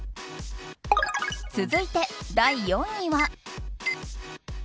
続いて、第４位は。